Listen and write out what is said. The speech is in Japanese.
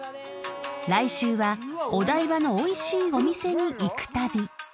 ［来週はお台場のおいしいお店に行く旅］